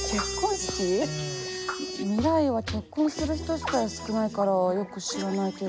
未来は結婚する人自体少ないからよく知らないけど。